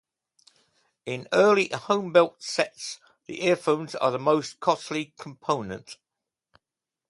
In early homebuilt sets, the earphones were the most costly component.